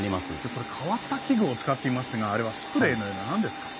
これ変わった器具を使っていますがあれはスプレーのような何ですか。